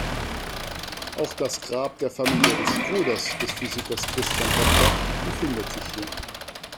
Auch das Grab der Familie des Bruders des Physikers Christian Doppler befindet sich hier.